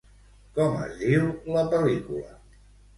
Com es diu la pel·lícula?